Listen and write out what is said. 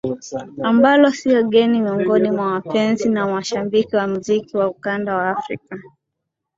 ambalo siyo geni miongoni mwa wapenzi na washabiki wa muziki wa ukanda wa Afrika